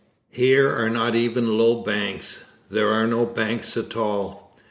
Here are not even low banks; there are no banks at all.